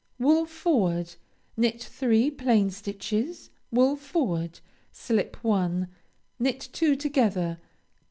_) Wool forward. Knit three plain stitches. Wool forward. Slip one. Knit two together.